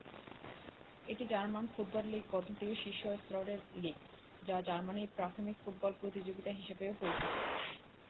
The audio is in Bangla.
এটি জার্মান ফুটবল লীগ পদ্ধতির শীর্ষ স্তরের লীগ, যা জার্মানির প্রাথমিক ফুটবল প্রতিযোগিতা হিসেবেও পরিচিত।